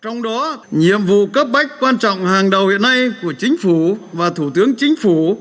trong đó nhiệm vụ cấp bách quan trọng hàng đầu hiện nay của chính phủ và thủ tướng chính phủ